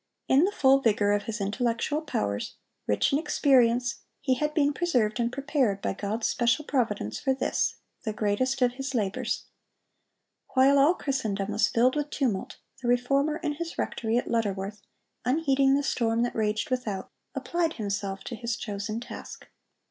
In the full vigor of his intellectual powers, rich in experience, he had been preserved and prepared by God's special providence for this, the greatest of his labors. While all Christendom was filled with tumult, the Reformer in his rectory at Lutterworth, unheeding the storm that raged without, applied himself to his chosen task.